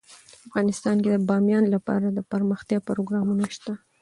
افغانستان کې د بامیان لپاره دپرمختیا پروګرامونه شته.